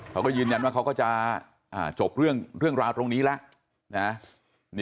เขาก็ยืนยันว่าเขาก็จะจบเรื่องราวตรงนี้แล้วนะ